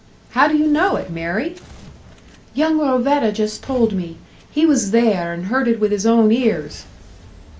"How do you know it, Mary?" "Young Rovetta just told me. He was there, and heard it with his own ears."